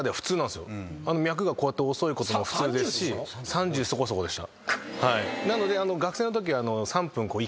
３０そこそこでした。